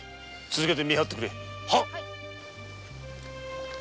続けて見張ってくれ。